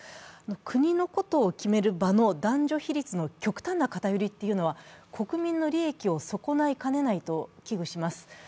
国のことを決める場の男女比率の極端な偏りというのは、国民の利益を損ないかねないと危惧します。